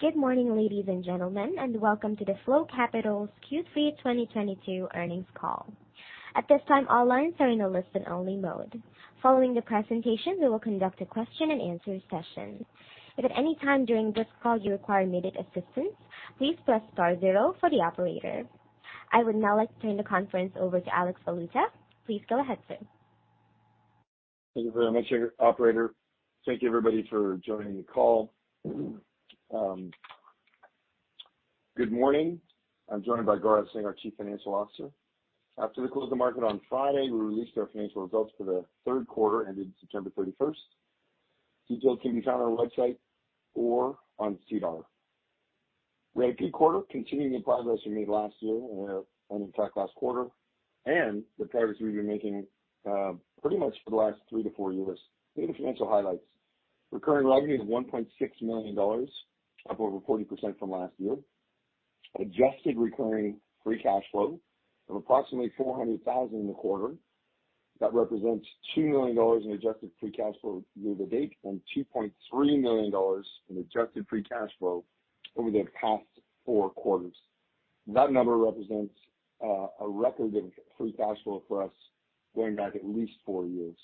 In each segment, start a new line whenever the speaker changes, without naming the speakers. Good morning, ladies and gentlemen, welcome to the Flow Capital's Q3 2022 earnings call. At this time, all lines are in a listen-only mode. Following the presentation, we will conduct a question-and-answer session. If at any time during this call you require immediate assistance, please press star zero for the operator. I would now like to turn the conference over to Alex Baluta. Please go ahead, sir.
Thank you very much, operator. Thank you, everybody, for joining the call. Good morning. I'm joined by Gaurav Singh, our Chief Financial Officer. After the close of the market on Friday, we released our financial results for the third quarter, ending September 31st. Details can be found on our website or on SEDAR. We had a peak quarter continuing the progress we made last year, on the track last quarter, and the progress we've been making, pretty much for the last three to four years. Here are the financial highlights. Recurring Revenue is 1.6 million dollars, up over 40% from last year. Adjusted Recurring Free Cash Flow of approximately 400,000 in the quarter. That represents 2 million dollars in Adjusted Free Cash Flow year-to-date, and 2.3 million dollars in Adjusted Free Cash Flow over the past four quarters. That number represents a record of Free Cash Flow for us going back at least four years.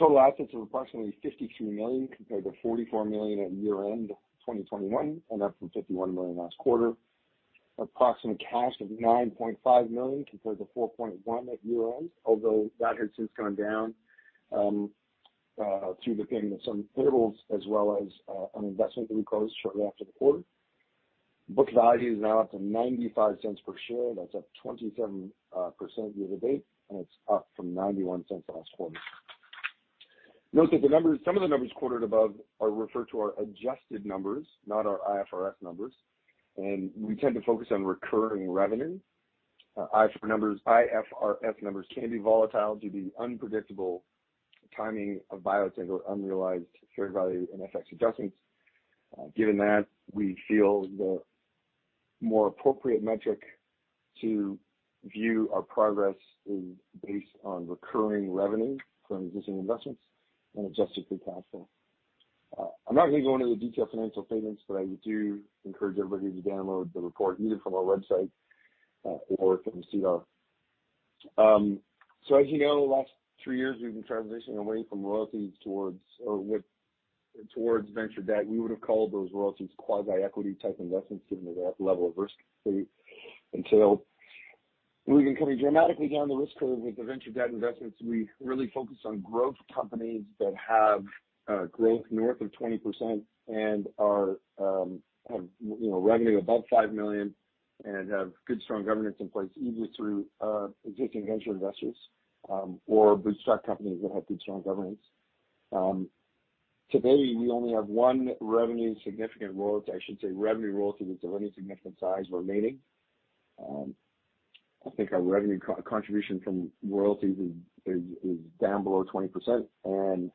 Total assets of approximately 52 million compared to 44 million at year-end, 2021, and up from 51 million last quarter. Approximate cash of 9.5 million compared to 4.1 million at year-end, although that has since gone down through the payment of some payables as well as an investment that we closed shortly after the quarter. Book Value is now up to 0.95 per share. That's up 27% year-to-date, and it's up from 0.91 last quarter. Note that Some of the numbers quoted above are referred to our adjusted numbers, not our IFRS numbers, and we tend to focus on Recurring Revenue. IFRS numbers can be volatile due to the unpredictable timing of biotech or unrealized fair value and FX adjustments. Given that, we feel the more appropriate metric to view our progress is based on Recurring Revenue from existing investments and Adjusted Recurring Free Cash Flow. I'm not gonna go into the detailed financial statements, but I do encourage everybody to download the report either from our website or from SEDAR. As you know, the last three years we've been transitioning away from royalties towards venture debt. We would have called those royalties quasi-equity type investments given the level of risk associated. Until we've been coming dramatically down the risk curve with the venture debt investments. We really focus on growth companies that have growth north of 20% and are, you know, revenue above 5 million and have good, strong governance in place, either through existing venture investors or bootstrap companies that have good, strong governance. Today we only have one revenue significant royalty. I should say revenue royalty that's of any significant size remaining. I think our revenue co-contribution from royalties is down below 20%, and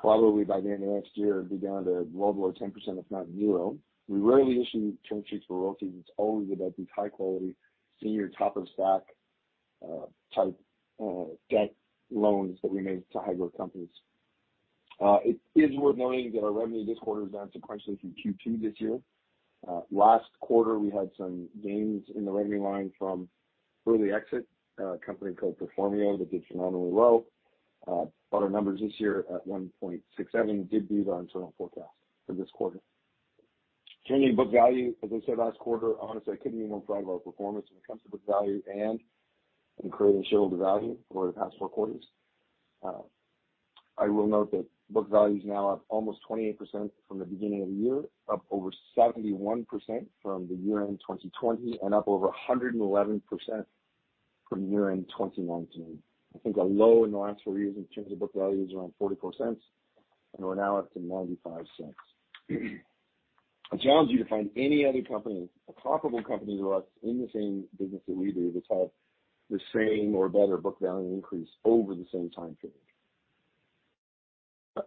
probably by the end of next year, it'd be down to well below 10%, if not zero. We rarely issue term sheets for royalties. It's always about these high-quality, senior, top-of-stack type debt loans that we make to high-growth companies. It is worth noting that our revenue this quarter is down sequentially from Q2 this year. Last quarter, we had some gains in the revenue line from early exit, a company called Performio that did phenomenally well. Our numbers this year at 1.67 did beat our internal forecast for this quarter. Turning to book value, as I said last quarter, honestly, I couldn't be more proud of our performance when it comes to book value and in creating shareholder value over the past four quarters. I will note that book value is now up almost 28% from the beginning of the year, up over 71% from the year-end 2020, and up over 111% from year-end 2019. I think our low in the last four years in terms of book value is around 40%, and we're now up to 0.95. I challenge you to find any other company, a comparable company to us in the same business that we do, that's had the same or better Book Value increase over the same time frame.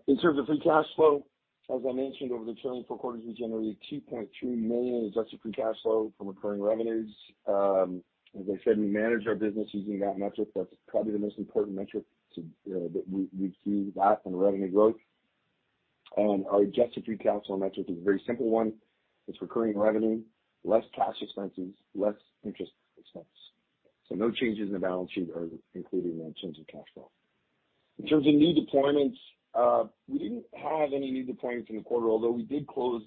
In terms of Free Cash Flow, as I mentioned, over the trailing four quarters, we generated 2.2 million in Adjusted Free Cash Flow from recurring revenues. As I said, we manage our business using that metric. That's probably the most important metric to that we key that and revenue growth. Our Adjusted Free Cash Flow metric is a very simple one. It's Recurring Revenue, less cash expenses, less interest expense. No changes in the balance sheet are included in that change in cash flow. In terms of new deployments, we didn't have any new deployments in the quarter, although we did close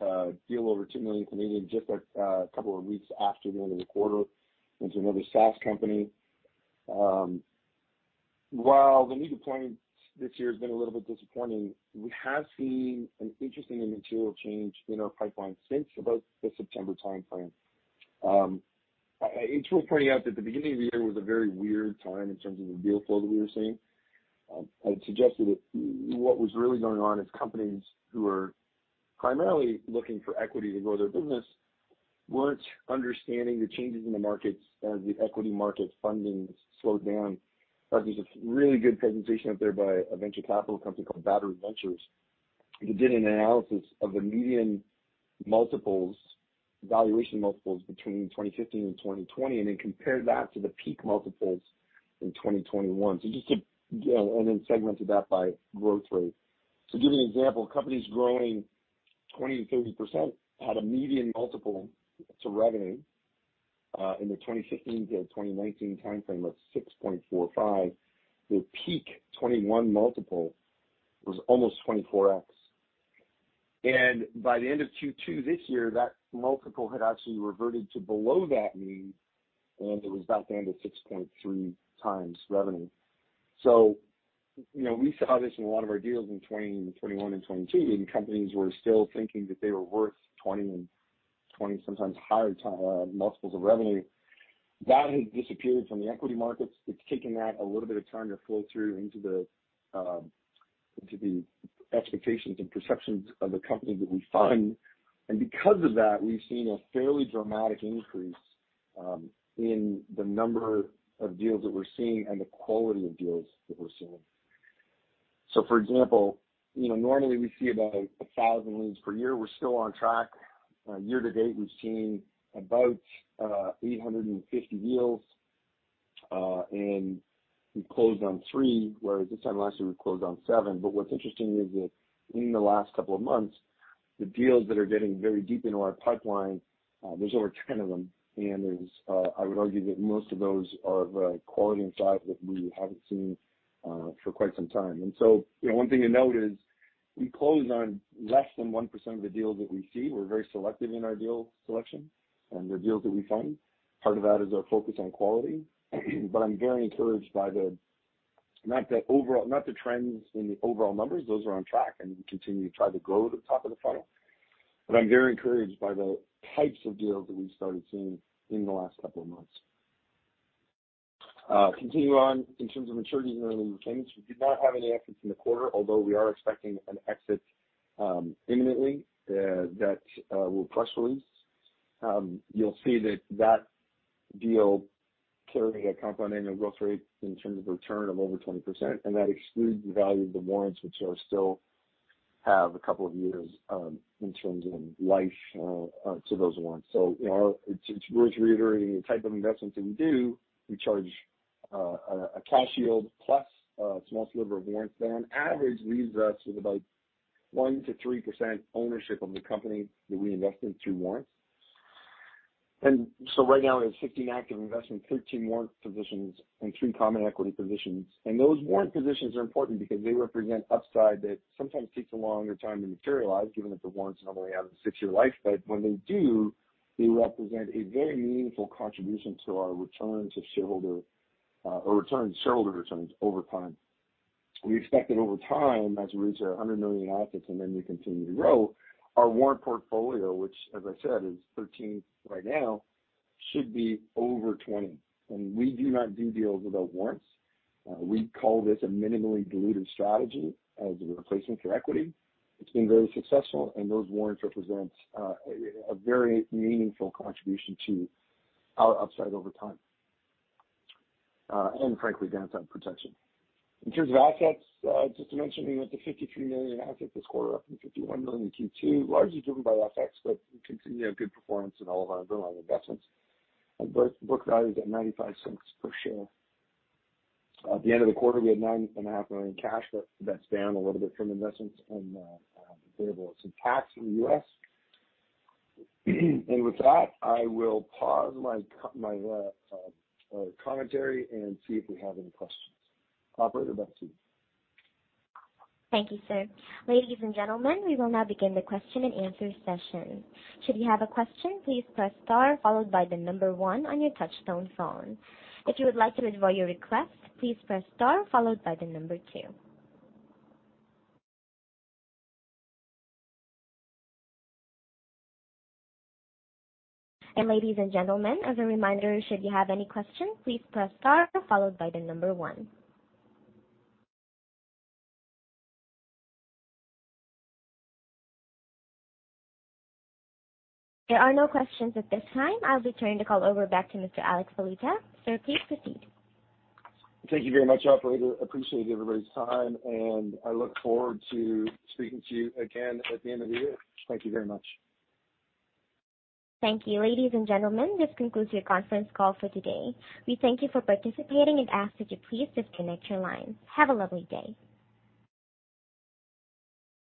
a deal over 2 million just a couple of weeks after the end of the quarter into another SaaS company. While the new deployments this year has been a little bit disappointing, we have seen an interesting and material change in our pipeline since about the September timeframe. It's worth pointing out that the beginning of the year was a very weird time in terms of the deal flow that we were seeing. I'd suggested that what was really going on is companies who are primarily looking for equity to grow their business weren't understanding the changes in the markets as the equity market funding slowed down. There's a really good presentation out there by a venture capital company called Battery Ventures. It did an analysis of the median valuation multiples between 2015 and 2020. Then compare that to the peak multiples in 2021. You know, then segmented that by growth rate. To give you an example, companies growing 20%-30% had a median multiple to revenue in the 2015-2019 timeframe of 6.45. The peak 2021 multiple was almost 24x. By the end of Q2 this year, that multiple had actually reverted to below that mean, and it was about the end of 6.3x revenue. You know, we saw this in a lot of our deals in 2021 and 2022. Companies were still thinking that they were worth 20 and 20, sometimes higher multiples of revenue. That has disappeared from the equity markets. It's taking that a little bit of time to flow through into the expectations and perceptions of the companies that we fund. Because of that, we've seen a fairly dramatic increase in the number of deals that we're seeing and the quality of deals that we're seeing. For example, you know, normally we see about 1,000 leads per year. We're still on track. Year to date, we've seen about 850 deals, and we closed on three, whereas this time last year we closed on seven. What's interesting is that in the last couple of months, the deals that are getting very deep into our pipeline, there's over 10 of them. There's, I would argue that most of those are of a quality and size that we haven't seen for quite some time. You know, one thing to note is we close on less than 1% of the deals that we see. We're very selective in our deal selection and the deals that we fund. Part of that is our focus on quality. I'm very encouraged by the-- Not the trends in the overall numbers. Those are on track, and we continue to try to grow the top of the funnel. I'm very encouraged by the types of deals that we've started seeing in the last couple of months. Continue on in terms of maturity and earnings. We did not have any exits in the quarter, although we are expecting an exit imminently that we'll press release. You'll see that that deal carries a compounded annual growth rate in terms of return of over 20%, and that excludes the value of the warrants, which are still have a couple of years in terms of life to those warrants. You know, it's worth reiterating the type of investments that we do. We charge a cash yield plus a small sliver of warrants. That on average leaves us with about 1%-3% ownership of the company that we invest in through warrants. Right now there's 15 active investments, 13 warrant positions, and three common equity positions. Those warrant positions are important because they represent upside that sometimes takes a longer time to materialize, given that the warrants normally have a six-year life. But when they do, they represent a very meaningful contribution to our returns of shareholder returns over time. We expect that over time, as we reach our 100 million assets, and then we continue to grow, our warrant portfolio, which as I said is 13 right now, should be over 20. We do not do deals without warrants. We call this a minimally dilutive strategy as a replacement for equity. It's been very successful, and those warrants represent a very meaningful contribution to our upside over time. And frankly, downside protection. In terms of assets, just to mention, we hit the 53 million assets this quarter, up from 51 million in Q2, largely driven by FX. We continue to have good performance in all of our underlying investments. Our book value is at 0.95 per share. At the end of the quarter, we had 9.5 million cash, that's down a little bit from investments and the availability of some tax in the U.S. With that, I will pause my commentary and see if we have any questions. Operator, back to you.
Thank you, sir. Ladies and gentlemen, we will now begin the question-and-answer session. Should you have a question, please press star followed by one on your touchtone phone. If you would like to withdraw your request, please press star followed by two. Ladies and gentlemen, as a reminder, should you have any questions, please press star followed by one. There are no questions at this time. I'll be turning the call over back to Mr. Alex Baluta. Sir, please proceed.
Thank you very much, operator. Appreciate everybody's time, and I look forward to speaking to you again at the end of the year. Thank you very much.
Thank you. Ladies and gentlemen, this concludes your conference call for today. We thank you for participating and ask that you please disconnect your lines. Have a lovely day.